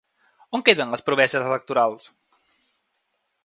On queden les promeses electorals?